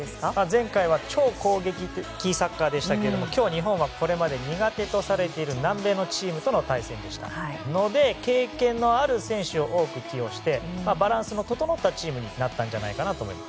前回は超攻撃的サッカーでしたが今日、日本はこれまで苦手とされている南米のチームとの対戦でしたので経験のある選手を多く起用してバランスの整ったチームになったんじゃないかと思います。